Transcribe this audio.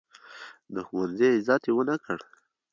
د ښوونځي عزت یې ونه کړ.